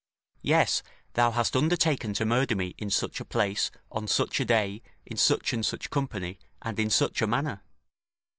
Yes, thou hast undertaken to murder me in such a place, on such a day, in such and such company, and in such a manner."